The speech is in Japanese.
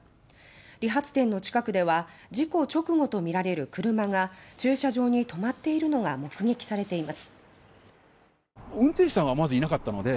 理髪店の近くでは事故直後とみられる車が駐車場に停まっているのが目撃されています。